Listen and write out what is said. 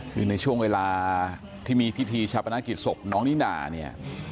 คือในช่วงเวลาที่มีพิธีชาปนกิจศพน้องนิน่าเนี่ย